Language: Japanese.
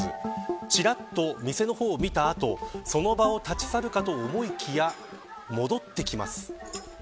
ちらっと店の方を見た後その場を立ち去るかと思いきや戻ってきます。